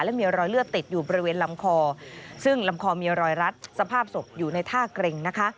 และมีรอยเลือดติดอยู่บริเวณลำคอซึ่งลำคอมีรอยรัดสภาพศพอยู่ในท่าเกร็งนะคะ